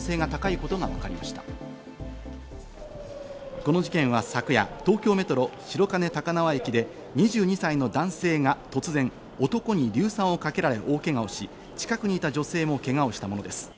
この事件は昨夜、東京メトロ白金高輪駅で２２歳の男性が突然、男に硫酸をかけられ大けがをし、近くにいた女性もけがをしたものです。